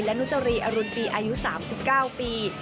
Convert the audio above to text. และนุจรีอรุณปีอายุ๓๙ปี